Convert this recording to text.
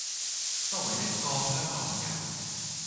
作為一個香港人